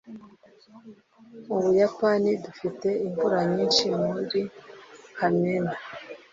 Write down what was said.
mu buyapani dufite imvura nyinshi muri kamena